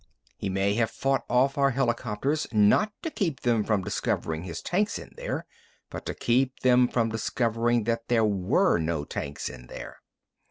He may have fought off our helicopters, not to keep them from discovering his tanks in there, but to keep them from discovering that there were no tanks in there!"